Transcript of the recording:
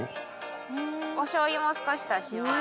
おしょうゆも少し足します。